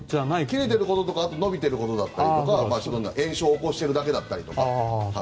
切れてることとか伸びてることとか炎症を起こしてるだけだったりとか。